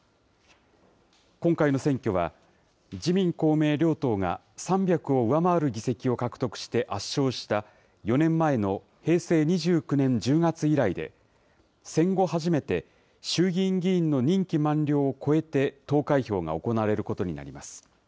今回の選挙は、自民、公明両党が３００を上回る議席を獲得して圧勝した４年前の平成２９年１０月以来で、戦後初めて衆議院議員の任期満了を超えて投開票が行われることになります。